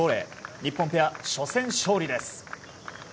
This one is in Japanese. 日本ペア、初戦勝利です。